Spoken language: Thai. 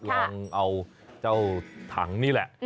ลองเอาเจ้าถังนี่แหละ